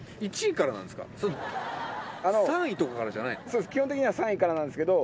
実は基本的には３位からなんですけど。